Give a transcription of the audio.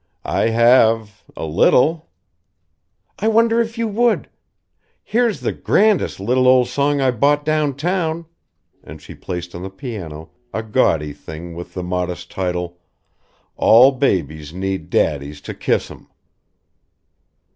"I have a little." "I wonder if you would? Here's the grandest little old song I bought downtown " and she placed on the piano a gaudy thing with the modest title "All Babies Need Daddies to Kiss 'Em."